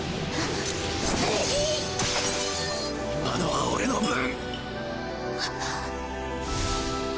今のは俺の分！